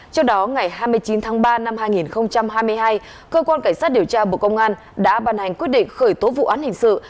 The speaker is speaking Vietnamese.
trước đó ngày hai mươi chín tháng ba năm hai nghìn hai mươi hai cơ quan cảnh sát điều tra bộ công an đã bàn hành quyết định khởi tố vụ án hình sự